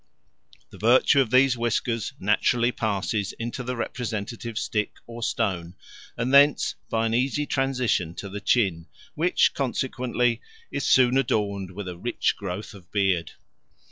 The virtue of these whiskers naturally passes into the representative stick or stone, and thence by an easy transition to the chin, which, consequently, is soon adorned with a rich growth of beard.